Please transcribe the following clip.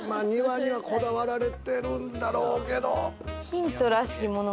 庭にはこだわられてるんやろうけれど。